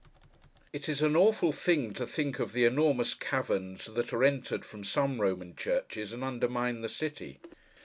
It is an awful thing to think of the enormous caverns that are entered from some Roman churches, and undermine the city.